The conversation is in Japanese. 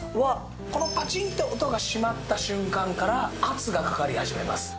このパチンと音が閉まった瞬間から圧がかかり始めます。